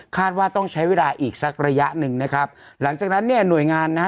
ว่าต้องใช้เวลาอีกสักระยะหนึ่งนะครับหลังจากนั้นเนี่ยหน่วยงานนะฮะ